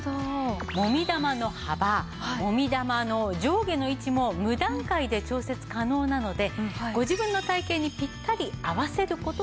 もみ玉の幅もみ玉の上下の位置も無段階で調節可能なのでご自分の体形にぴったり合わせる事ができます。